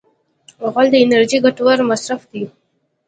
غول د انرژۍ ګټور مصرف دی.